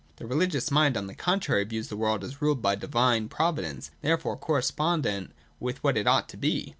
The religious mind, on the contrary, views the world as ruled by Divine Providence, and therefore correspondent with what it ought to be.